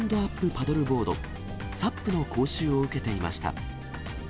・パドル・ボード、サップの講習を受けていました。